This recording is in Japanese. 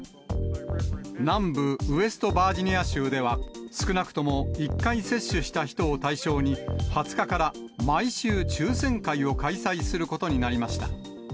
南部ウェストバージニア州では少なくとも１回接種した人を対象に、２０日から毎週抽せん会を開催することになりました。